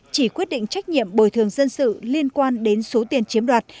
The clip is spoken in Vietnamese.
chỉ quyết định trách nhiệm bồi thường dân sự liên quan đến số tiền chiếm đoạt